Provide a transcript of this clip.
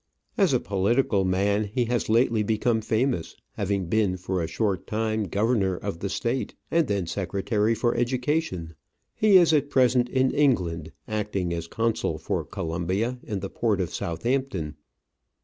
As a political man he has lately become famous, having been for a short time Governor of the State and then Secretary for Education. He is at present in England acting as Consul for Colombia in the port of Southampton.